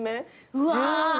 うわ！